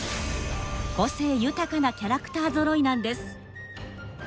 個性豊かなキャラクターぞろいなんです。